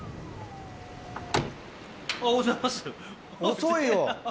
遅いよ。